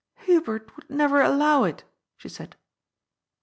" Hubert would never allow it," she said.